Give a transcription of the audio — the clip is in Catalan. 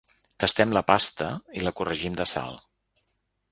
Tastem la pasta i la corregim de sal.